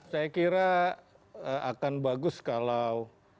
saya kira akan bagus kalau